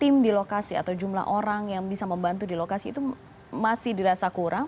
tim di lokasi atau jumlah orang yang bisa membantu di lokasi itu masih dirasa kurang